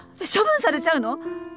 処分されちゃうの？